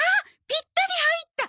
ぴったり入った！